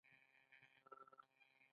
آیا ځکه چې کاناډا د نړۍ برخه نه ده؟